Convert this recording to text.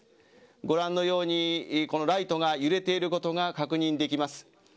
ご覧のように、このライトが揺れていることが確認できます。